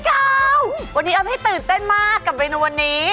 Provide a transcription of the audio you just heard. อับให้ตื่นเต้นมากกับเมนูวันนี้